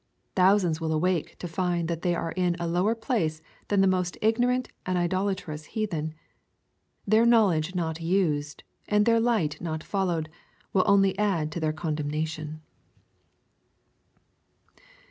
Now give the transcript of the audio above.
Thousands will awake to find that they are in a lower place than the most ignorant and idolatrous heathen. Their knowledge not used, and their light not followed, will only add to their condemnation.